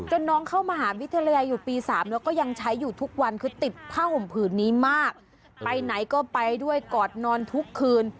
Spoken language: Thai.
น้องเข้ามหาวิทยาลัยอยู่ปี๓แล้วก็ยังใช้อยู่ทุกวันคือติดผ้าห่มผืนนี้มากไปไหนก็ไปด้วยกอดนอนทุกคืน